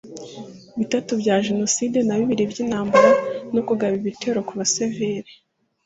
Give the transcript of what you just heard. bitatu bya Jenoside na bibiri by’intambara no kugaba ibitero ku basivili